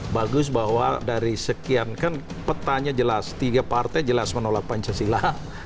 bagus bahwa dari sekian kan petanya jelas tiga partai jelas menolak pancasila